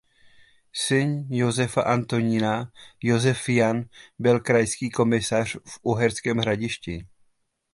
Syn Josefa Antonína Josef Jan byl krajský komisař v Uherském Hradišti.